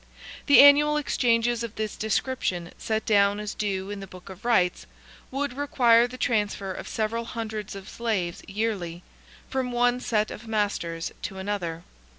The annual exchanges of this description, set down as due in the Book of Rights, would require the transfer of several hundreds of slaves yearly, from one set of masters to another.